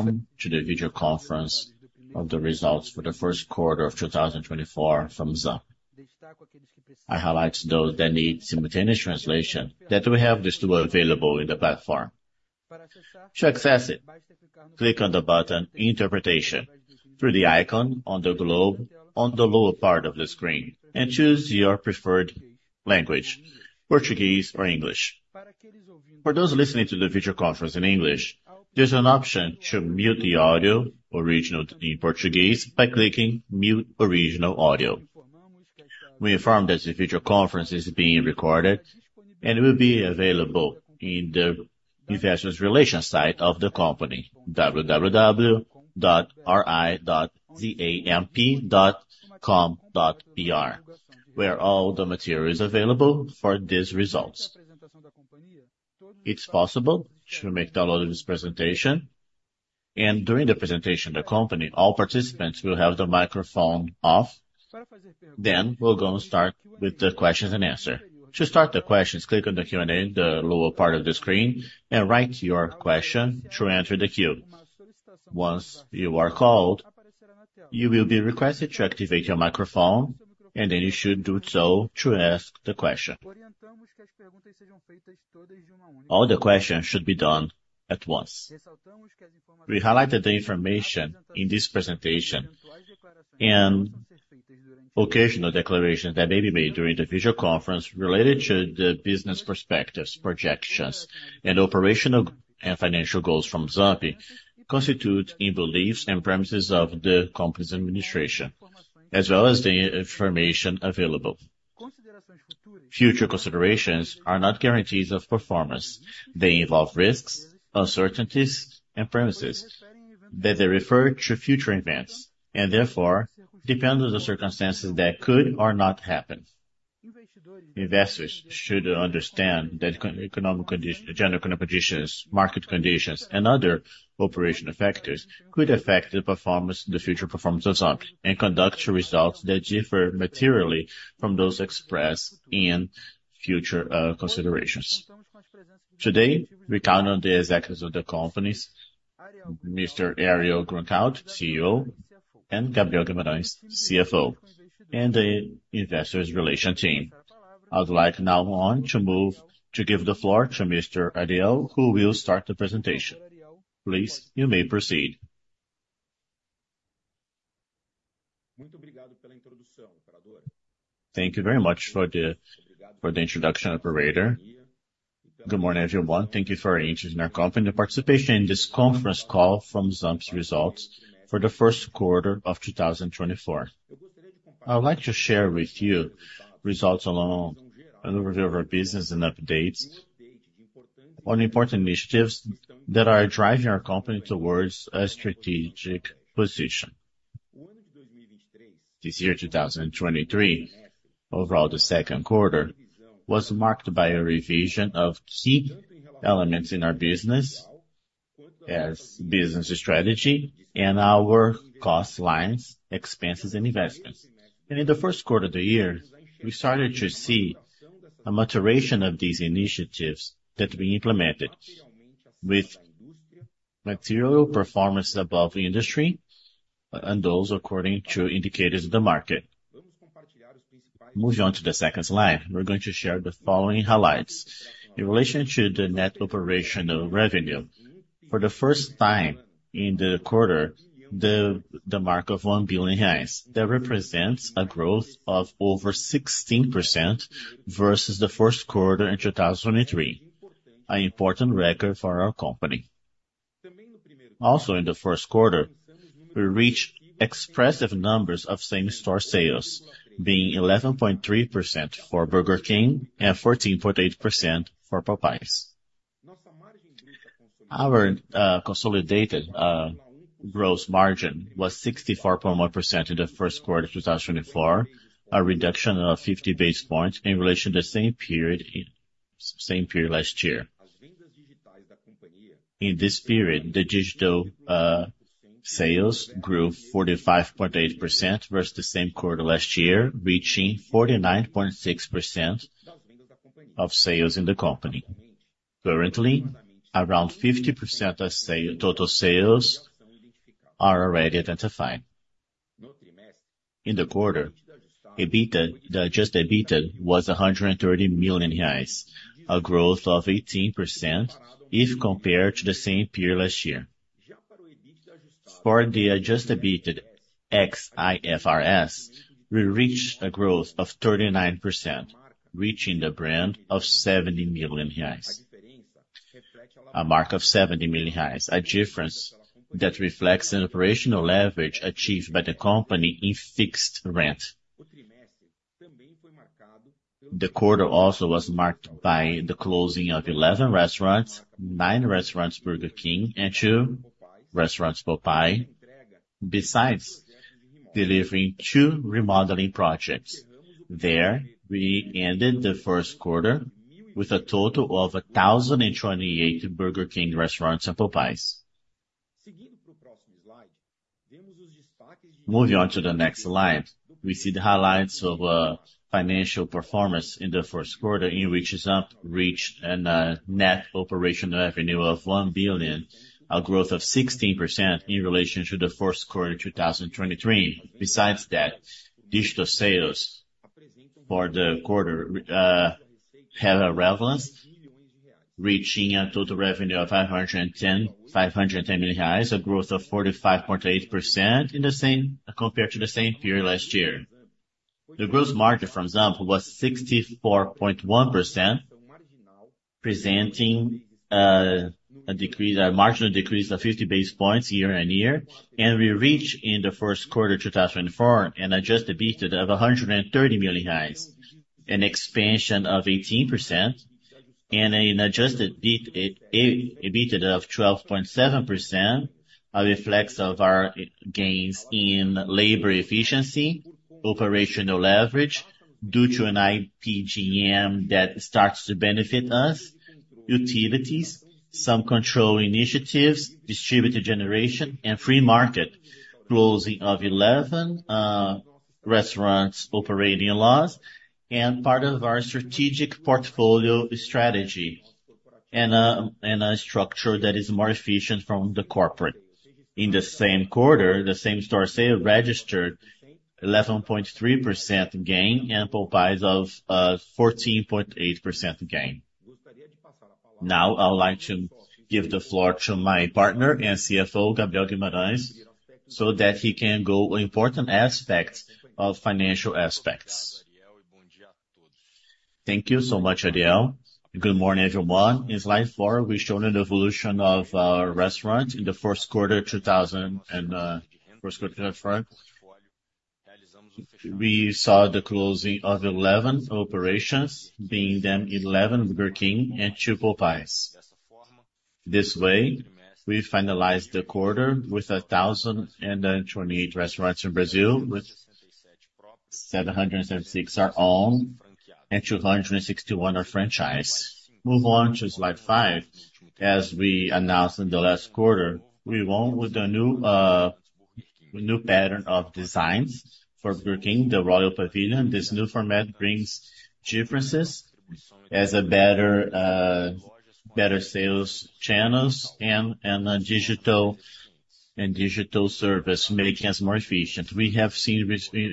Welcome to the video conference of the results for the first quarter of 2024 from ZAMP. I highlight those that need simultaneous translation, that we have this tool available in the platform. To access it, click on the button Interpretation, through the icon on the globe, on the lower part of the screen, and choose your preferred language, Portuguese or English. For those listening to the video conference in English, there's an option to mute the audio original in Portuguese by clicking Mute Original Audio. We inform that the video conference is being recorded, and will be available in the Investor Relations site of the company, www.ri.zamp.com.br, where all the material is available for these results. It's possible to make download of this presentation, and during the presentation of the company, all participants will have their microphone off. Then, we're gonna start with the questions and answer. To start the questions, click on the Q&A in the lower part of the screen, and write your question to enter the queue. Once you are called, you will be requested to activate your microphone, and then you should do so to ask the question. All the questions should be done at once. We highlight that the information in this presentation and occasional declarations that may be made during the video conference related to the business perspectives, projections, and operational and financial goals from ZAMP, constitute in beliefs and premises of the company's administration, as well as the information available. Future considerations are not guarantees of performance. They involve risks, uncertainties, and premises, that they refer to future events, and therefore, depend on the circumstances that could or not happen. Investors should understand that economic conditions, general economic conditions, market conditions, and other operational factors could affect the performance, the future performance of ZAMP, and could lead to results that differ materially from those expressed in future considerations. Today, we count on the executives of the company, Mr. Ariel Grunkraut, CEO, and Gabriel Guimaraes, CFO, and the Investor Relations team. I would like to give the floor to Mr. Ariel, who will start the presentation. Please, you may proceed. Thank you very much for the, for the introduction, operator. Good morning, everyone. Thank you for your interest in our company and participation in this conference call from ZAMP's results for the first quarter of 2024. I would like to share with you results along an overview of our business and updates on important initiatives that are driving our company towards a strategic position. This year, 2023, overall, the second quarter, was marked by a revision of key elements in our business as business strategy and our cost lines, expenses, and investments. In the first quarter of the year, we started to see a maturation of these initiatives that we implemented with material performance above the industry and those according to indicators of the market. Moving on to the second slide, we're going to share the following highlights. In relation to the net operational revenue, for the first time in the quarter, the mark of 1 billion reais. That represents a growth of over 16% versus the first quarter in 2023, an important record for our company. Also, in the first quarter, we reached expressive numbers of same-store sales, being 11.3% for Burger King and 14.8% for Popeyes. Our consolidated gross margin was 64.1% in the first quarter of 2024, a reduction of 50 basis points in relation to the same period last year. In this period, the digital sales grew 45.8% versus the same quarter last year, reaching 49.6% of sales in the company. Currently, around 50% of sales, total sales are already identified. In the quarter, EBITDA, the adjusted EBITDA was 130 million reais, a growth of 18% if compared to the same period last year. For the adjusted EBITDA ex-IFRS, we reached a growth of 39%, reaching the mark of 70 million reais. A mark of 70 million reais, a difference that reflects the operational leverage achieved by the company in fixed rent. The quarter also was marked by the closing of 11 restaurants, nine restaurants, Burger King, and two restaurants, Popeyes, besides delivering two remodeling projects. There, we ended the first quarter with a total of 1,028 Burger King restaurants and Popeyes. Moving on to the next slide, we see the highlights of financial performance in the first quarter, in which ZAMP reached a net operational revenue of 1 billion, a growth of 16% in relation to the first quarter, 2023. Besides that, digital sales for the quarter have a relevance, reaching a total revenue of 510 million reais, a growth of 45.8% in the same compared to the same period last year. The gross margin from ZAMP was 64.1%, presenting a decrease, a marginal decrease of 50 basis points year-on-year, and we reached in the first quarter of 2024 an adjusted EBITDA of 130 million, an expansion of 18%, and an adjusted EBITDA of 12.7%, a reflex of our gains in labor efficiency, operational leverage due to an IGP-M that starts to benefit us, utilities, some control initiatives, distributed generation, and free market, closing of 11 restaurants operating at a loss, and part of our strategic portfolio strategy, and a structure that is more efficient from the corporate. In the same quarter, the same-store sales registered 11.3% gain, and Popeyes of 14.8% gain. Now, I would like to give the floor to my partner and CFO, Gabriel Guimaraes, so that he can go important aspects of financial aspects. Thank you so much, Ariel. Good morning, everyone. In slide four we've shown the evolution of our restaurant in the first quarter 2024, first quarter to the front. We saw the closing of 11 operations, being them 11 Burger King and two Popeyes. This way, we finalized the quarter with 1,028 restaurants in Brazil, with 706 are owned and 261 are franchise. Move on to slide five. As we announced in the last quarter, we went with a new new pattern of designs for Burger King, the Royal Pavilion. This new format brings differences as a better better sales channels and, and a digital, and digital service, making us more efficient. We have seen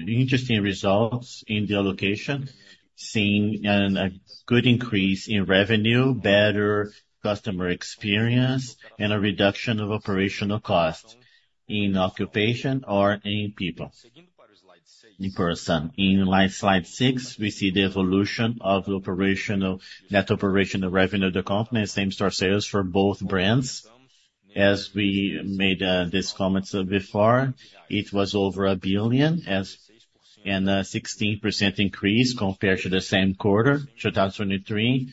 interesting results in the allocation, seeing a good increase in revenue, better customer experience, and a reduction of operational costs in occupation or in people, in person. In slide six, we see the evolution of net operational revenue of the company, same-store sales for both brands. As we made these comments before, it was over 1 billion, and a 16% increase compared to the same quarter, 2023,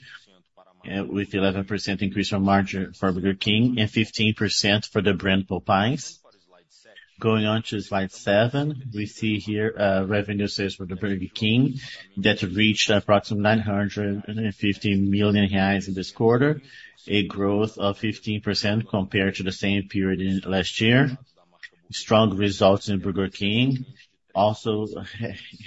with 11% increase from margin for Burger King and 15% for the brand Popeyes. Going on to slide seven, we see here revenue sales for Burger King that reached approximately 950 million reais in this quarter, a growth of 15% compared to the same period in last year. Strong results in Burger King also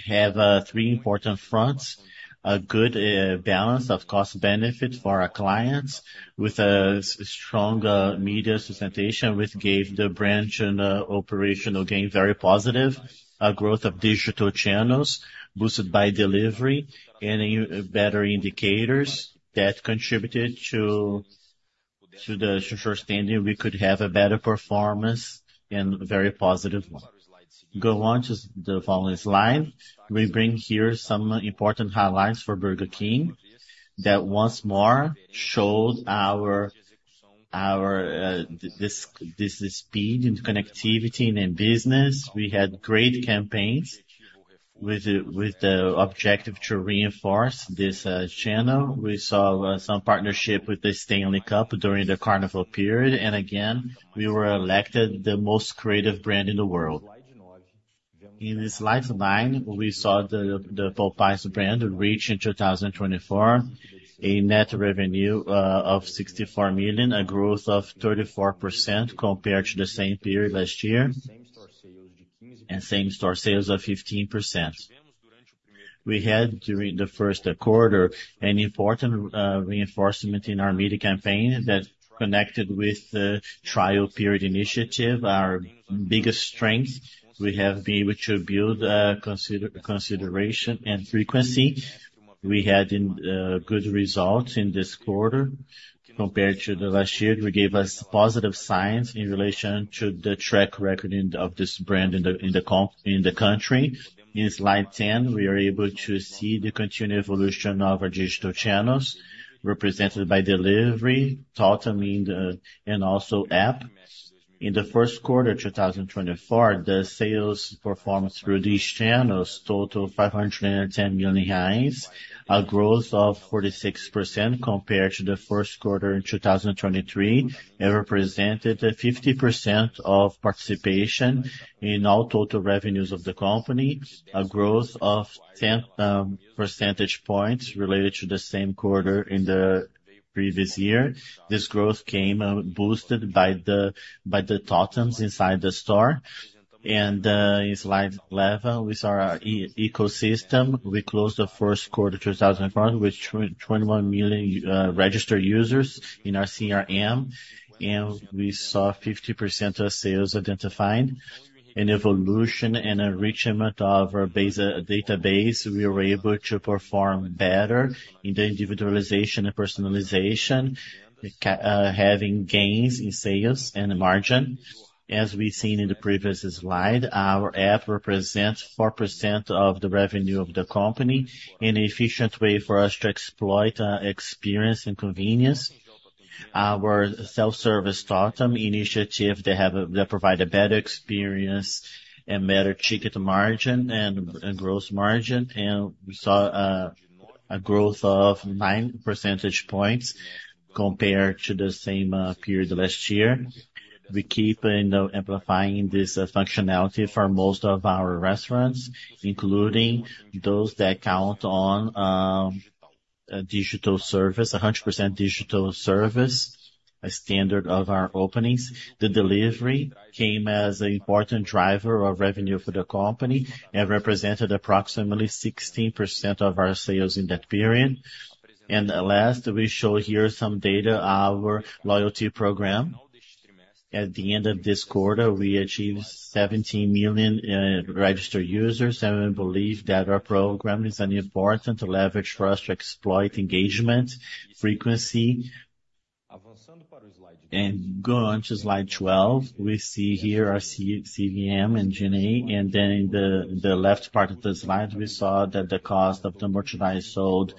have three important fronts: a good balance of cost benefit for our clients, with a strong media presentation, which gave the brand and operational gain very positive, a growth of digital channels boosted by delivery and better indicators that contributed to the understanding we could have a better performance and very positive one. Go on to the following slide. We bring here some important highlights for Burger King, that once more showed our this speed and connectivity in the business. We had great campaigns with the objective to reinforce this channel. We saw some partnership with the Stanley cup during the Carnival period, and again, we were elected the most creative brand in the world. In slide nine, we saw the Popeyes brand reach in 2024 a net revenue of 64 million, a growth of 34% compared to the same period last year, and same-store sales of 15%. We had during the first quarter an important reinforcement in our media campaign that connected with the trial period initiative, our biggest strength. We have been able to build consideration and frequency. We had good results in this quarter compared to last year, which gave us positive signs in relation to the track record of this brand in the country. In slide 10, we are able to see the continued evolution of our digital channels, represented by delivery, totem in the, and also app. In the first quarter 2024, the sales performance through these channels totaled 510 million reais, a growth of 46% compared to the first quarter in 2023, and represented 50% of participation in all total revenues of the company, a growth of 10 percentage points related to the same quarter in the previous year. This growth came boosted by the totems inside the store. In slide 11, with our ecosystem, we closed the first quarter 2024 with 21 million registered users in our CRM, and we saw 50% of sales identifying an evolution and enrichment of our base database. We were able to perform better in the individualization and personalization, having gains in sales and margin. As we've seen in the previous slide, our app represents 4% of the revenue of the company in an efficient way for us to exploit experience and convenience. Our self-service totem initiative, they provide a better experience and better ticket margin and, and gross margin, and we saw a growth of nine percentage points compared to the same period last year. We keep in amplifying this functionality for most of our restaurants, including those that count on a digital service, 100% digital service, a standard of our openings. The delivery came as an important driver of revenue for the company and represented approximately 16% of our sales in that period. Last, we show here some data, our loyalty program. At the end of this quarter, we achieved 17 million registered users, and we believe that our program is an important leverage for us to exploit engagement, frequency. Going on to slide 12, we see here our CRM and G&A, and then in the left part of the slide, we saw that the cost of the merchandise sold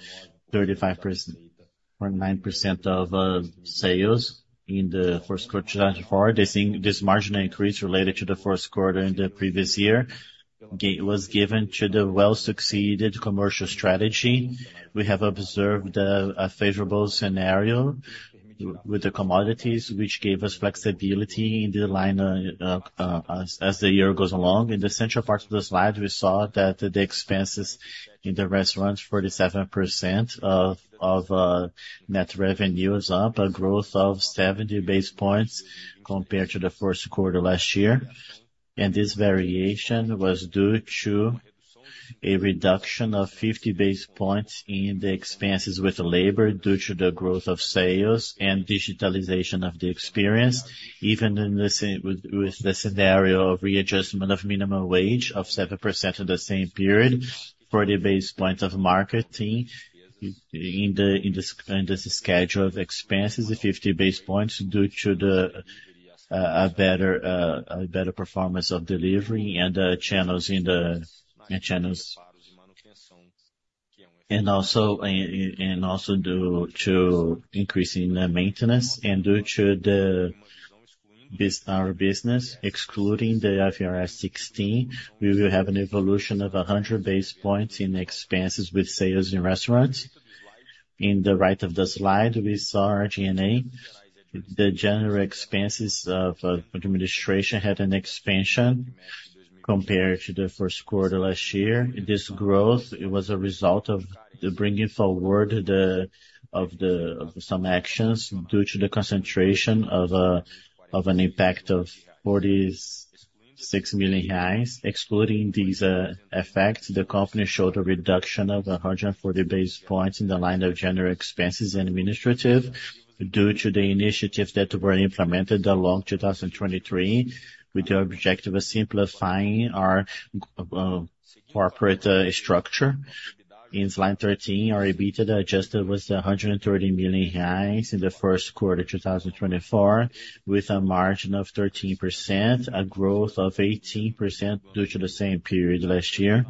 35% or 9% of sales in the first quarter 2024. This marginal increase related to the first quarter in the previous year was given to the well-succeeded commercial strategy. We have observed a favorable scenario with the commodities, which gave us flexibility in the line as the year goes along. In the central part of the slide, we saw that the expenses in the restaurants, 47% of net revenue is up, a growth of 70 basis points compared to the first quarter last year. This variation was due to a reduction of 50 basis points in the expenses with labor, due to the growth of sales and digitalization of the experience, even in the scenario with the readjustment of minimum wage of 7% in the same period, 40 basis points of marketing in the schedule of expenses, and 50 basis points due to a better performance of delivery and channels. Also, due to increase in maintenance and due to our business, excluding the IFRS 16, we will have an evolution of 100 basis points in expenses with sales in restaurants. On the right of the slide, we saw our G&A. The general expenses of administration had an expansion compared to the first quarter last year. This growth, it was a result of the bringing forward of some actions, due to the concentration of an impact of 46 million reais. Excluding these effects, the company showed a reduction of 140 basis points in the line of general expenses and administrative, due to the initiatives that were implemented along 2023, with the objective of simplifying our corporate structure. In slide 13, our Adjusted EBITDA was 130 million in the first quarter 2024, with a margin of 13%, a growth of 18% due to the same period last year.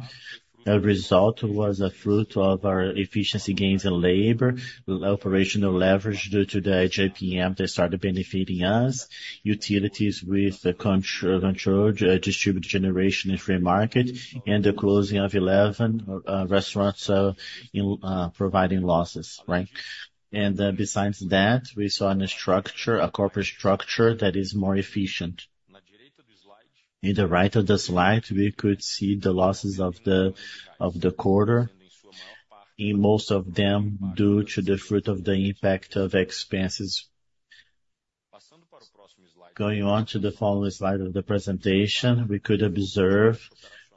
The result was a fruit of our efficiency gains in labor, operational leverage due to the IGP-M that started benefiting us, utilities with the controlled Distributed Generation in Free Market, and the closing of 11 restaurants in providing losses, right? And besides that, we saw a structure, a corporate structure that is more efficient. In the right of the slide, we could see the losses of the quarter, in most of them, due to the fruit of the impact of expenses. Going on to the following slide of the presentation, we could observe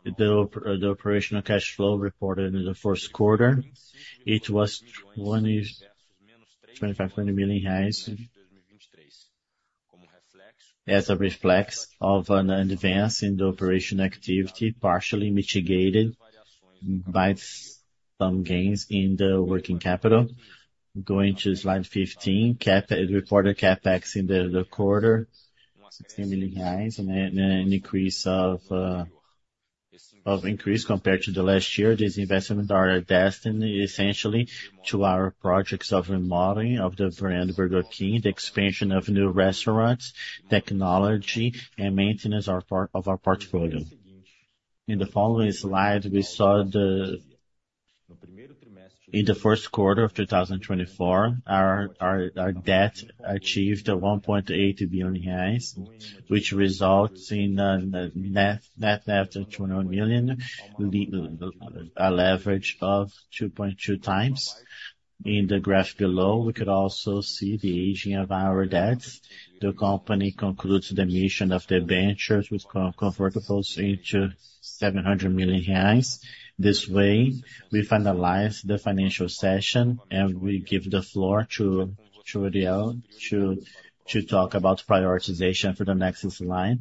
the operational cash flow reported in the first quarter. It was 125 million reais as a reflection of an advance in the operational activity, partially mitigated by some gains in the working capital. Going to slide 15, CapEx reported in the quarter, 60 million BRL, and an increase compared to last year. These investments are destined essentially to our projects of remodeling of the brand Burger King, the expansion of new restaurants, technology, and maintenance of our portfolio. In the following slide, we saw in the first quarter of 2024, our debt achieved 1.8 billion reais, which results in net of 200 million, a leverage of 2.2x. In the graph below, we could also see the aging of our debts. The company concludes the emission of the debentures with convertibles into 700 million reais. This way, we finalize the financial session, and we give the floor to Ariel to talk about prioritization for the next slide.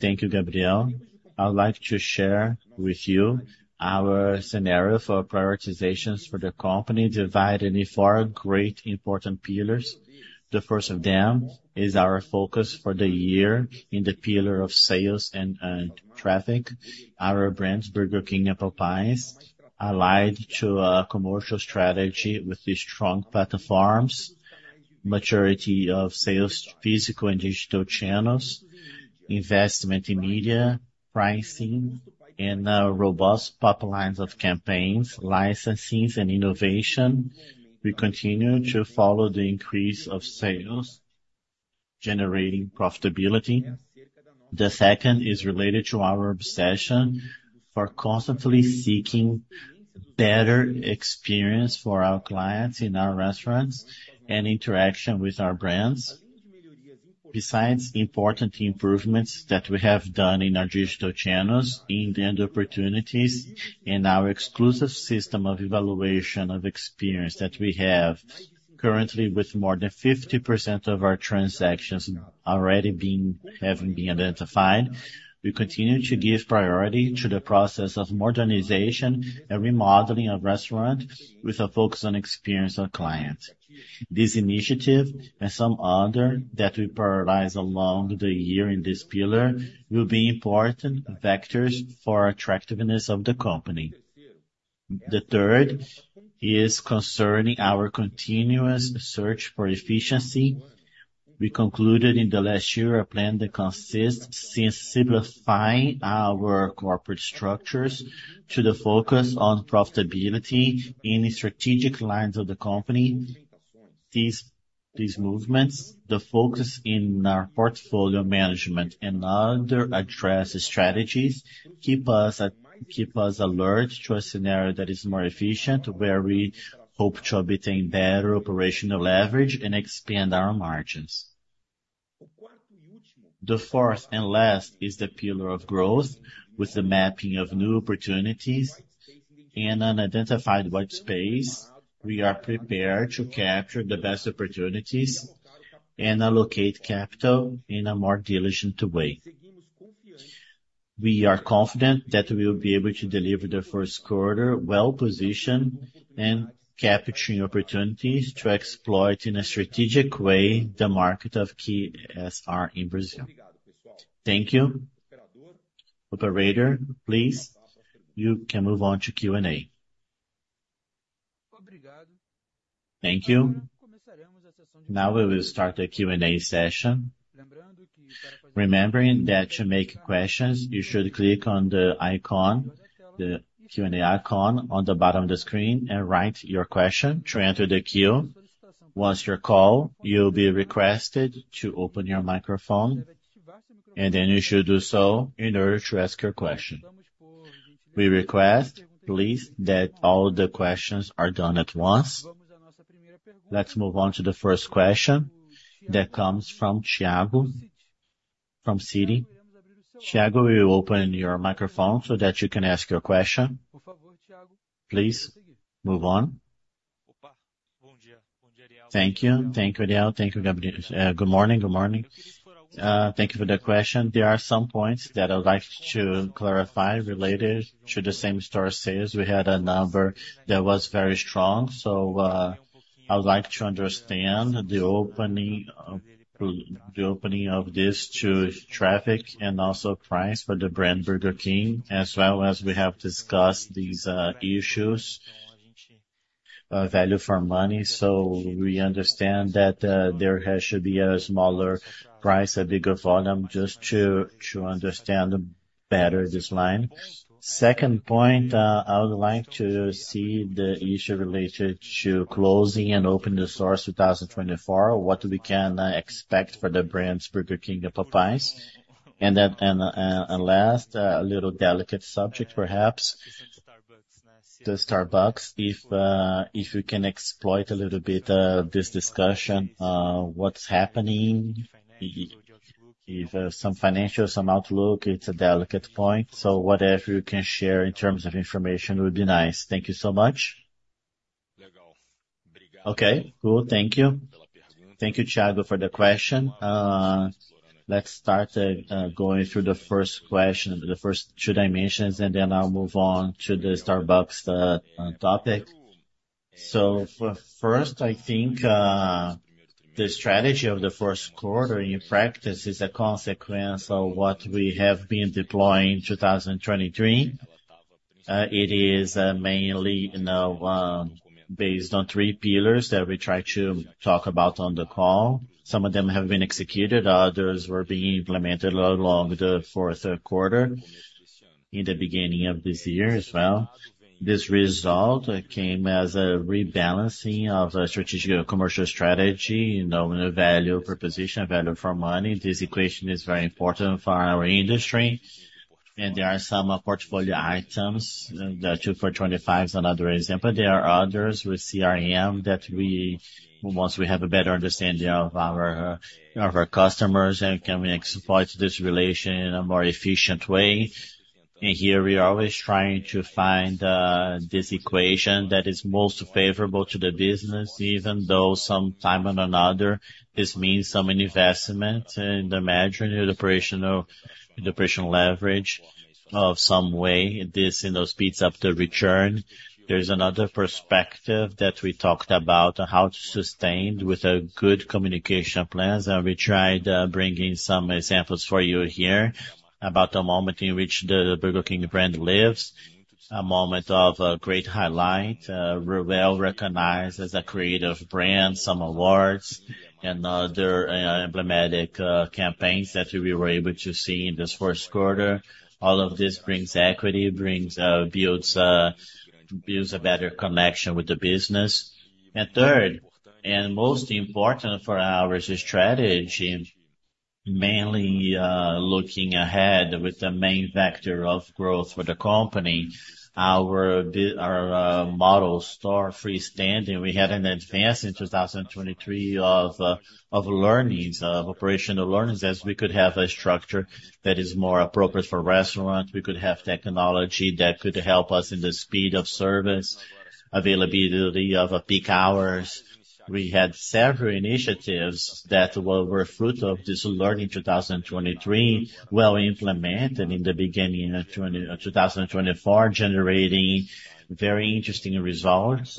Thank you, Gabriel. I would like to share with you our scenario for prioritizations for the company, divided in four great important pillars. The first of them is our focus for the year in the pillar of sales and traffic. Our brands, Burger King and Popeyes, allied to a commercial strategy with the strong platforms, maturity of sales, physical and digital channels, investment in media, pricing, and robust pipelines of campaigns, licenses, and innovation. We continue to follow the increase of sales, generating profitability. The second is related to our obsession for constantly seeking better experience for our clients in our restaurants and interaction with our brands. Besides important improvements that we have done in our digital channels, in the end, opportunities, and our exclusive system of evaluation of experience that we have currently with more than 50% of our transactions already having been identified, we continue to give priority to the process of modernization and remodeling of restaurant, with a focus on experience of client. This initiative, and some other that we prioritize along the year in this pillar, will be important vectors for attractiveness of the company. The third is concerning our continuous search for efficiency. We concluded in the last year, a plan that consists since simplifying our corporate structures to the focus on profitability in the strategic lines of the company. These, these movements, the focus in our portfolio management and other address strategies, keep us, keep us alert to a scenario that is more efficient, where we hope to obtain better operational leverage and expand our margins. The fourth and last is the pillar of growth, with the mapping of new opportunities. In an identified white space, we are prepared to capture the best opportunities and allocate capital in a more diligent way. We are confident that we will be able to deliver the first quarter well-positioned and capturing opportunities to exploit, in a strategic way, the market of QSR in Brazil. Thank you. Operator, please, you can move on to Q&A. Thank you. Now, we will start the Q&A session. Remembering that to make questions, you should click on the icon, the Q&A icon on the bottom of the screen and write your question to enter the queue. Once you're called, you'll be requested to open your microphone, and then you should do so in order to ask your question. We request, please, that all the questions are done at once. Let's move on to the first question that comes from Thiago, from Citi. Thiago, will you open your microphone so that you can ask your question? Please, move on. Thank you. Thank you, Ariel. Thank you, Gabriel. Good morning. Good morning. Thank you for the question. There are some points that I'd like to clarify related to the same-store sales. We had a number that was very strong, so, I would like to understand the opening of, the opening of this to traffic and also price for the brand Burger King, as well as we have discussed these, issues, value for money. So we understand that there should be a smaller price, a bigger volume, just to understand better this line. Second point, I would like to see the issue related to closing and opening stores 2024. What we can expect for the brands Burger King and Popeyes? And then, last, a little delicate subject, perhaps, the Starbucks. If you can elaborate a little bit this discussion, what's happening, some financials, some outlook, it's a delicate point, so whatever you can share in terms of information would be nice. Thank you so much. Okay, cool. Thank you. Thank you, Thiago, for the question. Let's start going through the first question, the first two dimensions, and then I'll move on to the Starbucks topic. So, first, I think, the strategy of the first quarter in practice is a consequence of what we have been deploying in 2023. It is mainly, you know, based on three pillars that we try to talk about on the call. Some of them have been executed, others were being implemented along the fourth quarter, in the beginning of this year as well. This result came as a rebalancing of the strategic commercial strategy, you know, value proposition, value for money. This equation is very important for our industry, and there are some portfolio items, the two for 25 is another example. There are others with CRM that we once we have a better understanding of our customers, and can we exploit this relation in a more efficient way. And here, we are always trying to find this equation that is most favorable to the business, even though some time and another, this means some investment in the margin and operational, the operational leverage of some way, this, you know, speeds up the return. There's another perspective that we talked about on how to sustain with a good communication plans, and we tried bringing some examples for you here about the moment in which the Burger King brand lives. A moment of great highlight, we're well-recognized as a creative brand, some awards and other, emblematic campaigns that we were able to see in this first quarter. All of this brings equity, brings, builds a, builds a better connection with the business. Third, and most important for our strategy, mainly looking ahead with the main factor of growth for the company, our model store freestanding, we had an advance in 2023 of learnings, of operational learnings, as we could have a structure that is more appropriate for restaurants. We could have technology that could help us in the speed of service, availability of a peak hours. We had several initiatives that were fruit of this learning 2023, well implemented in the beginning of 2024, generating very interesting results,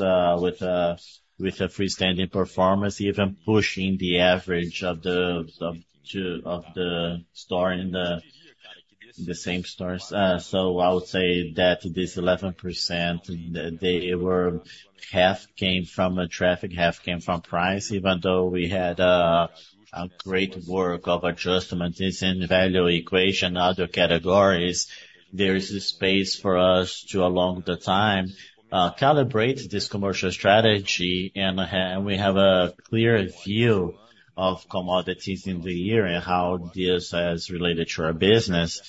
with a freestanding performance, even pushing the average of the two stores in the same stores. So I would say that this 11%, half came from traffic, half came from price, even though we had a great work of adjustment in same value equation, other categories, there is a space for us to, along the time, calibrate this commercial strategy, and we have a clear view of commodities in the year and how this is related to our business.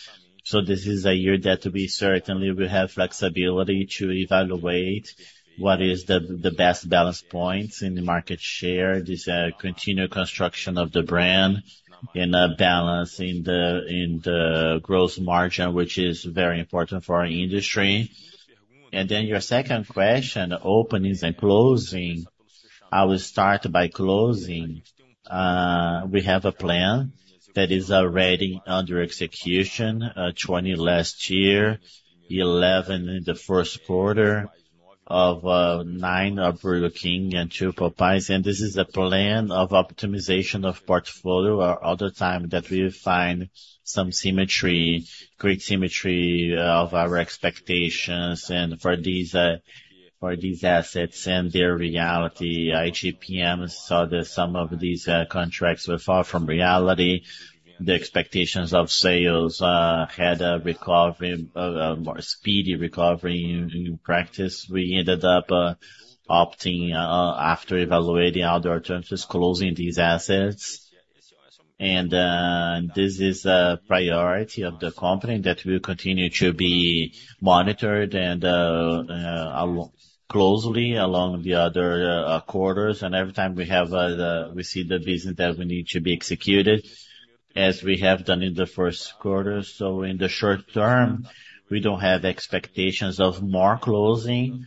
So this is a year that we certainly will have flexibility to evaluate what is the best balance points in the market share, this continued construction of the brand in a balance in the growth margin, which is very important for our industry. And then your second question, openings and closing. I will start by closing. We have a plan that is already under execution, 20 last year, 11 in the first quarter of, nine are Burger King and two Popeyes. And this is a plan of optimization of portfolio or other time that we find some symmetry, great symmetry of our expectations and for these, for these assets and their reality. IGP-M saw that some of these, contracts were far from reality. The expectations of sales, had a recovery, a more speedy recovery. In practice, we ended up, opting, after evaluating other terms, just closing these assets. And, this is a priority of the company that will continue to be monitored and, closely along the other, quarters. And every time we have, we see the business that we need to be executed, as we have done in the first quarter. So in the short term, we don't have expectations of more closing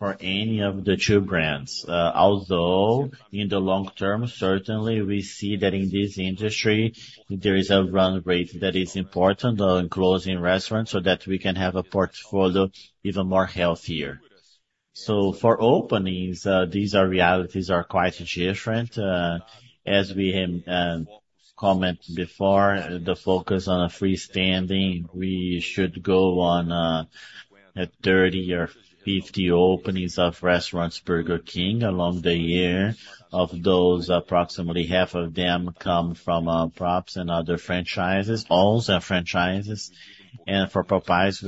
for any of the two brands. Although, in the long term, certainly, we see that in this industry, there is a run rate that is important, in closing restaurants so that we can have a portfolio even more healthier. So for openings, these are realities are quite different. As we have commented before, the focus on a freestanding, we should go on a 30 or 50 openings of restaurants, Burger King, along the year. Of those, approximately half of them come from props and other franchises, owns and franchises. And for Popeyes,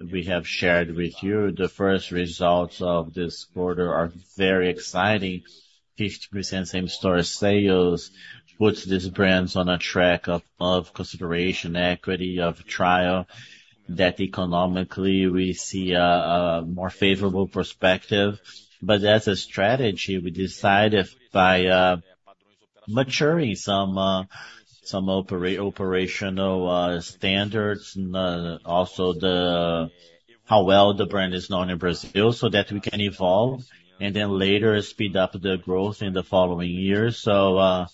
we have shared with you the first results of this quarter are very exciting. 50% same-store sales puts these brands on a track of consideration, equity, of trial, that economically we see a more favorable perspective. But as a strategy, we decided by maturing some operational standards, and also the how well the brand is known in Brazil, so that we can evolve, and then later speed up the growth in the following years. So,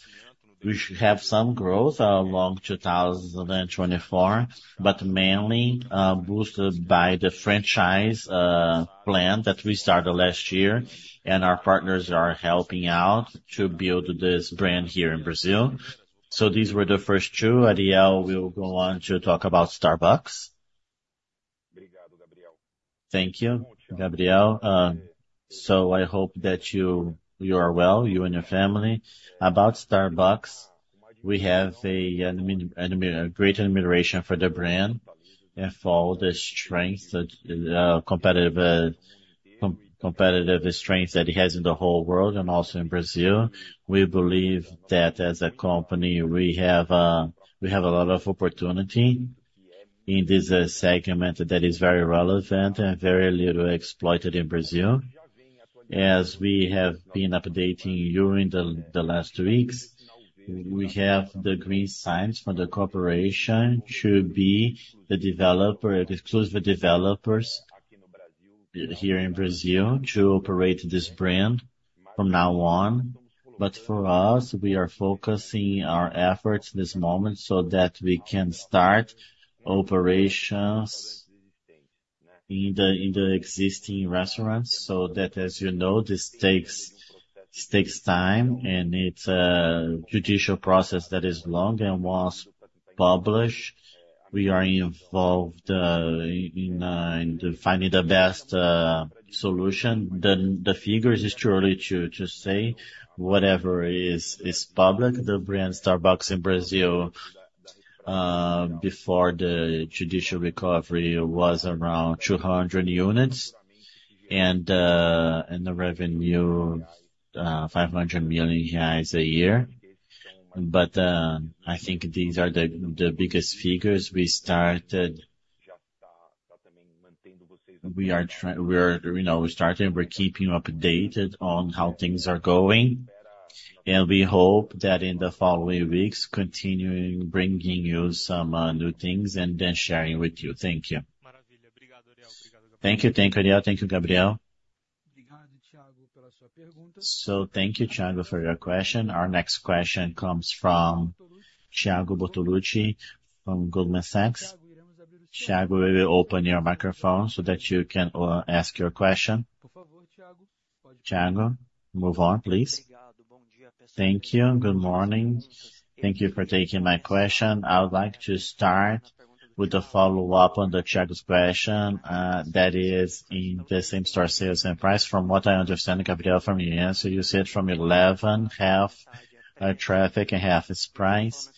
we should have some growth along 2024, but mainly boosted by the franchise plan that we started last year, and our partners are helping out to build this brand here in Brazil. So these were the first two. Ariel will go on to talk about Starbucks. Thank you, Gabriel. So I hope that you are well, you and your family. About Starbucks, we have a great admiration for the brand, and for all the strength that competitive strength that it has in the whole world and also in Brazil. We believe that as a company, we have a lot of opportunity in this segment that is very relevant and very little exploited in Brazil. As we have been updating you during the last weeks, we have the green signs from the corporation to be the developer, exclusive developers here in Brazil to operate this brand from now on. But for us, we are focusing our efforts this moment so that we can start operations in the existing restaurants. So, as you know, this takes time, and it's a judicial process that is long, and once published, we are involved in finding the best solution. The figures, it's too early to say. Whatever is public, the brand Starbucks in Brazil, before the judicial recovery, was around 200 units, and the revenue, 500 million reais a year. But, I think these are the biggest figures. We started, you know, we're keeping you updated on how things are going, and we hope that in the following weeks, continuing bringing you some new things and then sharing with you. Thank you. Thank you. Thank you, Ariel. Thank you, Gabriel. So thank you, Thiago, for your question. Our next question comes from Thiago Bortoluci from Goldman Sachs. Thiago, we will open your microphone so that you can ask your question. Thiago, move on, please. Thank you. Good morning. Thank you for taking my question. I would like to start with a follow-up on the Thiago's question, that is in the same store, sales and price. From what I understand, Gabriel, from your answer, you said from 11, half are traffic and half is price.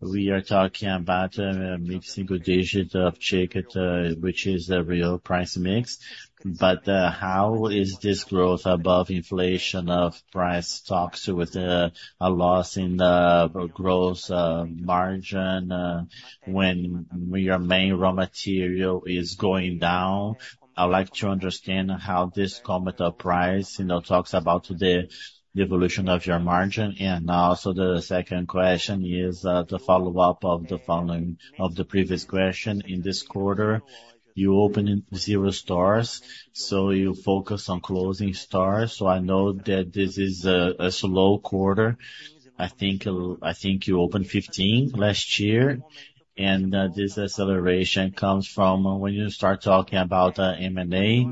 We are talking about a mid-single digit of ticket, which is the real price mix. But how is this growth above inflation of price talks with a loss in the gross margin, when your main raw material is going down? I would like to understand how this comment of price, you know, talks about the evolution of your margin. And also the second question is the follow-up of the previous question. In this quarter, you opened zero stores, so you focus on closing stores. So I know that this is a slow quarter. I think, I think you opened 15 last year, and, this acceleration comes from when you start talking about, M&A.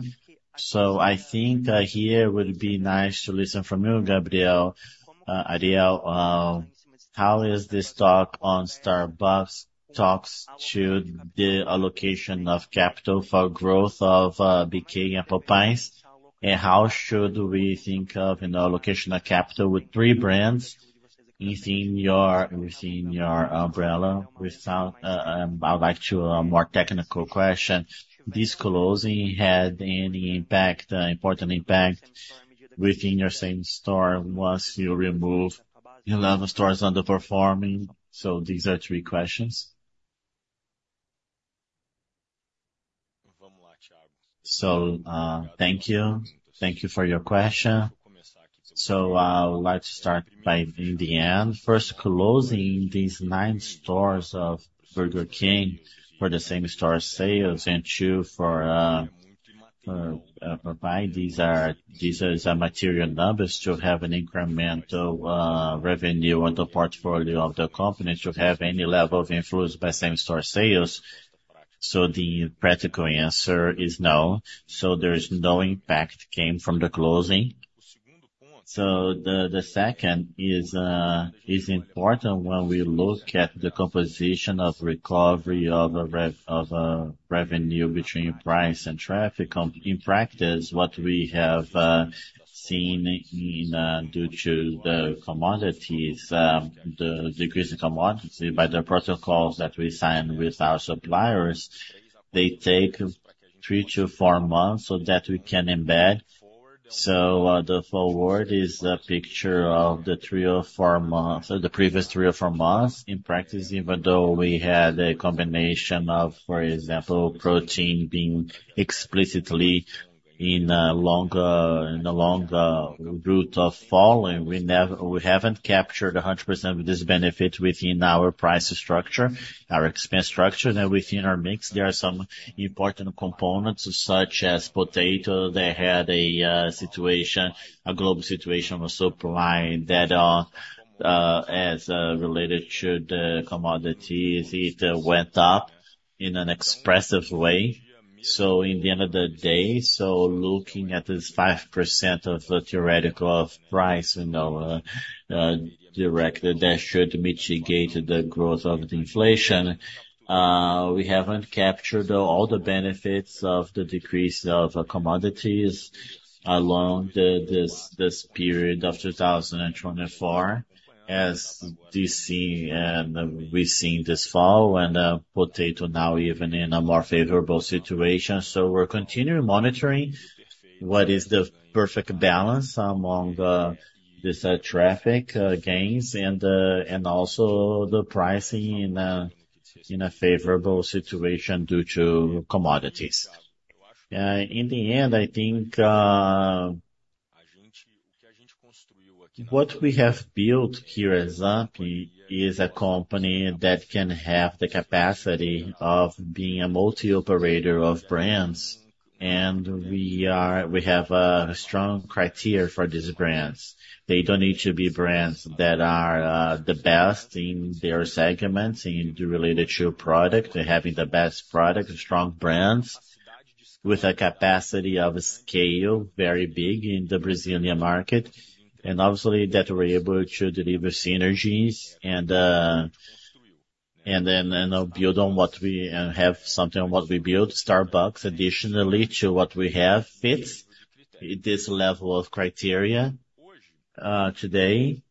So I think, here it would be nice to listen from you, Gabriel, Ariel, how is this talk on Starbucks talks to the allocation of capital for growth of, BK and Popeyes? And how should we think of, you know, allocation of capital with three brands within your, within your umbrella? With, I'd like to, more technical question. This closing had any impact, important impact within your same store once you remove 11 stores underperforming? So these are three questions. So, thank you. Thank you for your question. So I would like to start by in the end. First, closing these nine stores of Burger King for the same-store sales, and two for Popeyes, these are some material numbers to have an incremental revenue on the portfolio of the company, to have any level of influence by same-store sales. So the practical answer is no. So there is no impact came from the closing. So the second is important when we look at the composition of recovery of a revenue between price and traffic. In practice, what we have seen due to the commodities, the decrease in commodity by the protocols that we sign with our suppliers, they take three to four months so that we can embed. So, the forward is a picture of the three or four months, the previous three or four months. In practice, even though we had a combination of, for example, protein being explicitly in a longer and along the route of fall, and we haven't captured 100% of this benefit within our price structure, our expense structure, and within our mix, there are some important components, such as potato, they had a situation, a global situation of supply that, as related to the commodities, it went up in an expressive way. So in the end of the day, looking at this 5% of the theoretical of price, you know, direct, that should mitigate the growth of the inflation. We haven't captured all the benefits of the decrease of commodities along this period of 2024, as you see, and we've seen this fall, when potato now even in a more favorable situation. So we're continuing monitoring what is the perfect balance among the traffic gains and also the pricing in a favorable situation due to commodities. In the end, I think, what we have built here at ZAMP is a company that can have the capacity of being a multi-operator of brands, and we have a strong criteria for these brands. They don't need to be brands that are the best in their segments and related to your product. They're having the best product, strong brands, with a capacity of scale, very big in the Brazilian market, and obviously that we're able to deliver synergies and then, you know, build on what we have something on what we build. Starbucks, additionally to what we have, fits this level of criteria. Today...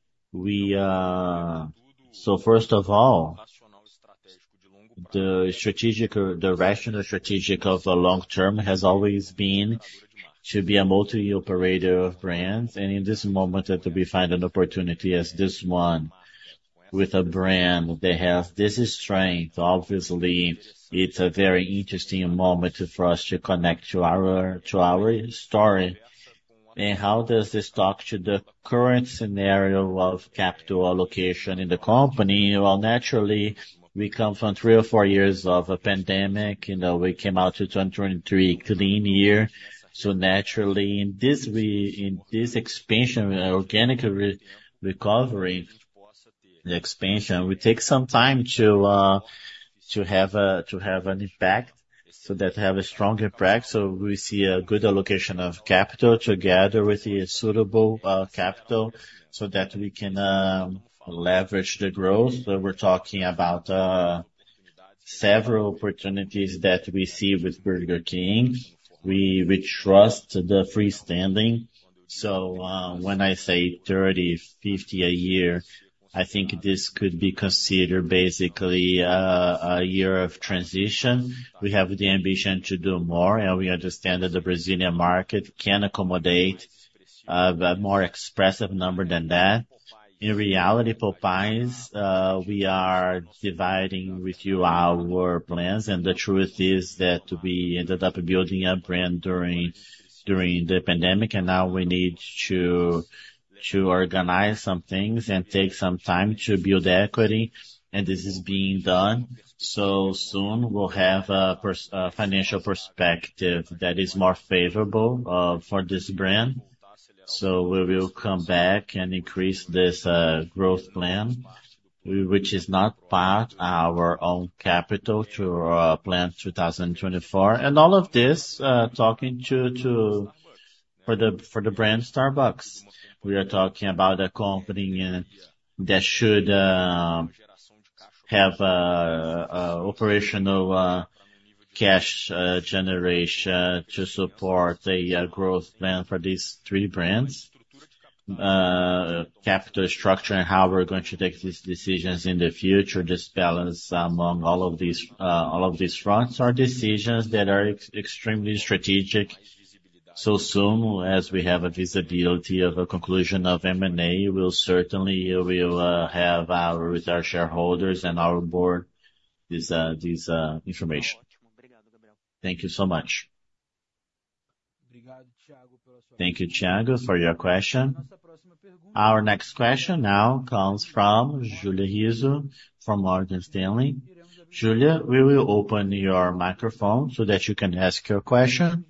So first of all, the strategic or the rational strategic of the long term has always been to be a multi-operator of brands, and in this moment that we find an opportunity as this one with a brand that have this strength, obviously it's a very interesting moment for us to connect to our, to our story. And how does this talk to the current scenario of capital allocation in the company? Well, naturally, we come from three or four years of a pandemic, you know, we came out to 2023, clean year. So naturally, in this expansion, organic recovery, the expansion, will take some time to have an impact, so that have a strong impact. So we see a good allocation of capital together with the suitable capital, so that we can leverage the growth. We're talking about several opportunities that we see with Burger King. We trust the freestanding. So, when I say 30-50 a year, I think this could be considered basically a year of transition. We have the ambition to do more, and we understand that the Brazilian market can accommodate a more expressive number than that. In reality, Popeyes, we are dividing with you our plans, and the truth is that we ended up building a brand during the pandemic, and now we need to organize some things and take some time to build equity, and this is being done. So soon, we'll have a financial perspective that is more favorable for this brand. So we will come back and increase this growth plan, which is not part our own capital to plan 2024. And all of this, talking to for the, for the brand Starbucks, we are talking about a company and that should have operational cash generation to support a growth plan for these three brands. Capital structure and how we're going to take these decisions in the future, this balance among all of these, all of these fronts, are decisions that are extremely strategic. So soon as we have a visibility of a conclusion of M&A, we'll certainly, we'll have our with our shareholders and our board, this information. Thank you so much. Thank you, Thiago, for your question. Our next question now comes from Julia Rizzo, from Morgan Stanley. Júlia, we will open your microphone so that you can ask your question.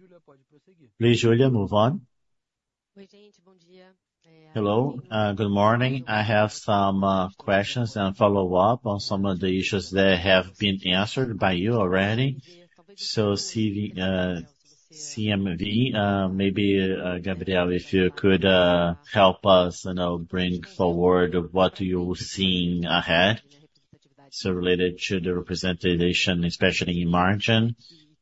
Please, Julia, move on. Hello, good morning. I have some questions and follow up on some of the issues that have been answered by you already. So CV, CMV, maybe, Gabriel, if you could, you know, bring forward what you're seeing ahead, so related to the representation, especially in margin.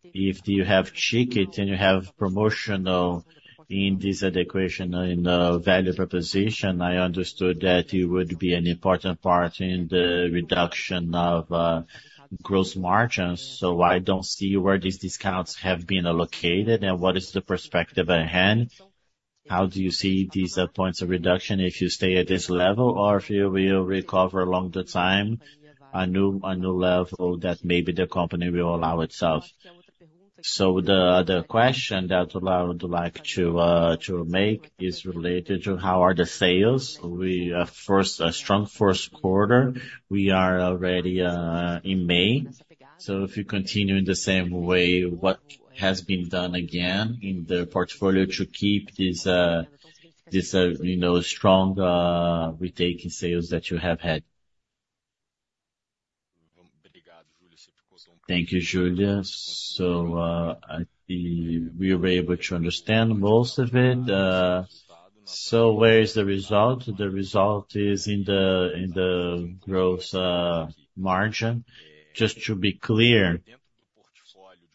If you have shake it and you have promotional in this equation in, value proposition, I understood that it would be an important part in the reduction of, gross margins. So I don't see where these discounts have been allocated and what is the perspective at hand? How do you see these, points of reduction if you stay at this level, or if you will recover along the time, a new, a new level that maybe the company will allow itself? So the, the question that I would like to, to make is related to how are the sales? We, first, a strong first quarter. We are already in May, so if you continue in the same way, what has been done again in the portfolio to keep this, this, you know, strong, retaking sales that you have had? Thank you, Julia. So, I think we were able to understand most of it. So where is the result? The result is in the gross margin. Just to be clear,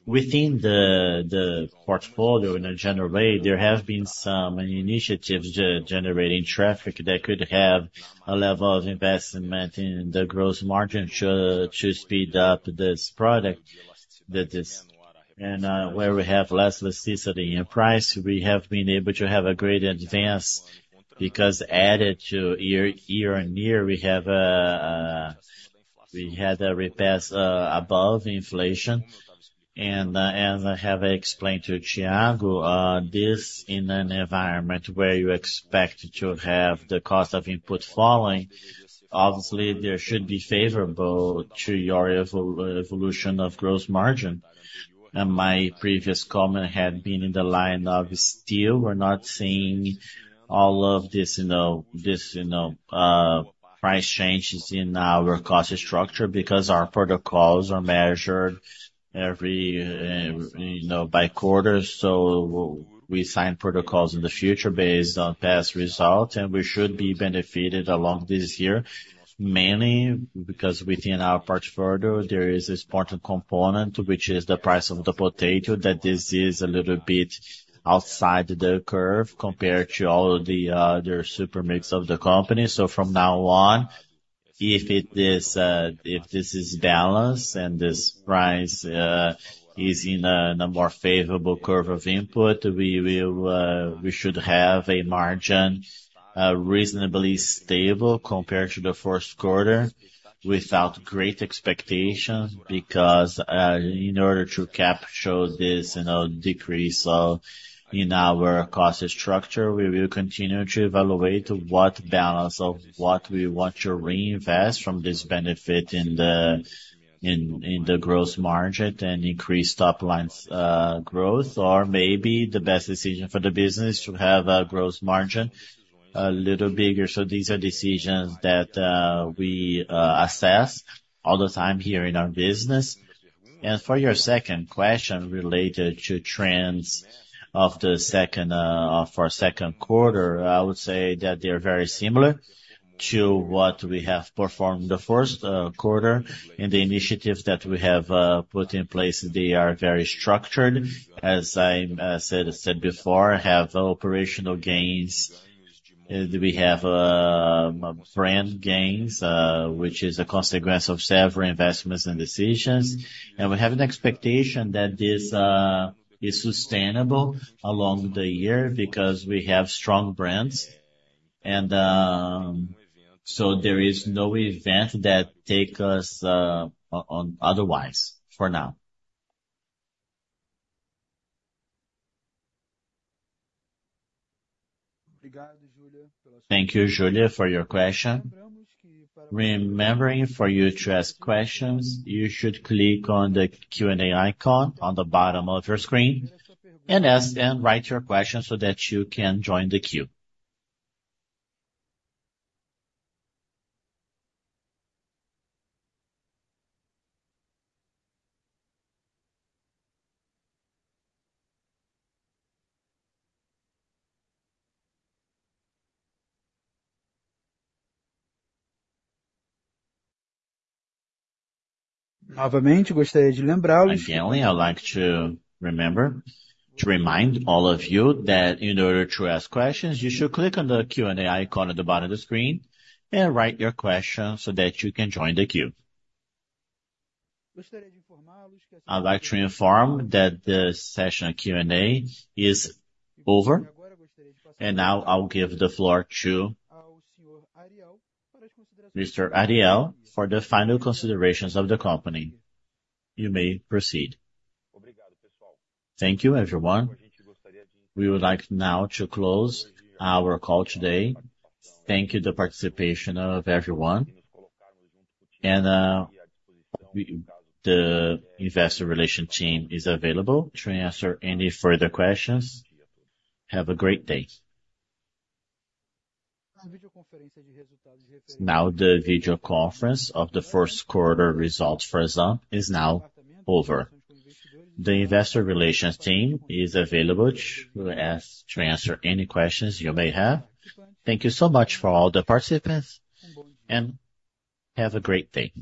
within the portfolio in a general way, there have been some initiatives generating traffic that could have a level of investment in the gross margin to speed up this product, that is. And where we have less elasticity in price, we have been able to have a great advance, because added to year-on-year, we have had a repass above inflation. As I have explained to Thiago, this in an environment where you expect to have the cost of input falling, obviously, there should be favorable to your evolution of gross margin. My previous comment had been in the line of still, we're not seeing all of this, you know, this, you know, price changes in our cost structure, because our protocols are measured every, you know, by quarter. So we sign protocols in the future based on past results, and we should be benefited along this year, mainly because within our portfolio, there is this important component, which is the price of the potato, that this is a little bit outside the curve compared to all of the other super mix of the company. So from now on, if it is, if this is balanced and this price is in a, in a more favorable curve of input, we will, we should have a margin reasonably stable compared to the first quarter, without great expectation, because, in order to capture this, you know, decrease of in our cost structure, we will continue to evaluate what balance of what we want to reinvest from this benefit in the, in, in the growth margin and increase top line, growth, or maybe the best decision for the business to have a growth margin a little bigger. So these are decisions that, we, assess all the time here in our business. For your second question, related to trends of the second, of our second quarter, I would say that they are very similar to what we have performed the first, quarter. And the initiatives that we have put in place, they are very structured. As I said before, have operational gains, we have, brand gains, which is a consequence of several investments and decisions. And we have an expectation that this, is sustainable along the year, because we have strong brands. And, so there is no event that take us, on otherwise, for now. Thank you, Julia, for your question. Remembering for you to ask questions, you should click on the Q&A icon on the bottom of your screen, and ask and write your questions so that you can join the queue. Again, I'd like to remind all of you that in order to ask questions, you should click on the Q&A icon at the bottom of the screen, and write your question so that you can join the queue. I'd like to inform you that the session Q&A is over, and now I'll give the floor to Mr. Ariel for the final considerations of the company. You may proceed. Thank you, everyone. We would like now to close our call today. Thank you, the participation of everyone. And, the Investor Relations team is available to answer any further questions. Have a great day. Now, the video conference of the first quarter results for ZAMP is now over. The Investor Relations team is available to answer any questions you may have. Thank you so much for all the participants, and have a great day.